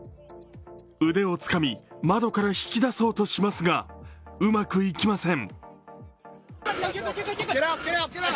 腕をつかみ、窓から引き出そうとしますがうまくいきません。